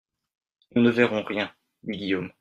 Nous ne verrons rien, dit Guillaume.